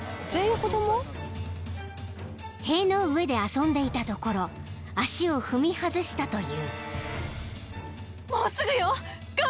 ［塀の上で遊んでいたところ足を踏み外したという］